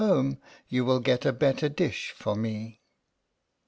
33 home you will get a better dish for me.